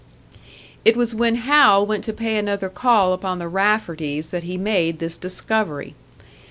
It was when Hal went to pay another call upon the Rafferties that he made this discovery.